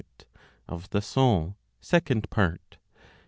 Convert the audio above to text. Of the Soul, Second Part.